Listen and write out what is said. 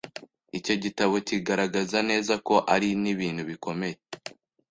icyo gitabo kigaragaza neza ko ari n’ibintu bikomeye